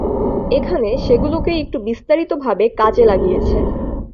এখানে সেগুলোকেই একটু বিস্তারিতভাবে কাজে লাগিয়েছে।